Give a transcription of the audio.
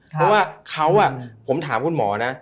เพราะว่าเขาผมถามคุณหมอนะ